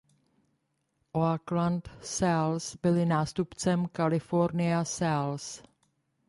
Oakland Seals byli nástupcem California Seals.